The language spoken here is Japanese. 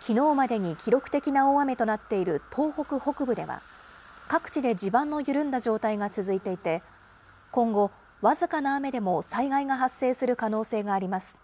きのうまでに記録的な大雨となっている東北北部では、各地で地盤の緩んだ状態が続いていて、今後、僅かな雨でも災害が発生する可能性があります。